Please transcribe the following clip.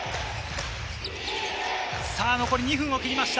残り２分を切りました。